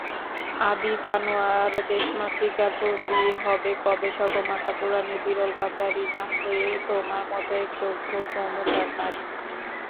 আবিদ আনোয়ারদেশমাতৃকার প্রতিহবে কবে সর্বমাতা, পুরাণের বিরল গান্ধারীনা-হয়ে তোমার মতো একচক্ষু মমতার নারী।